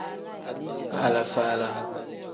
Faala-faala.